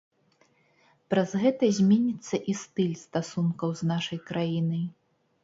Праз гэта зменіцца і стыль стасункаў з нашай краінай.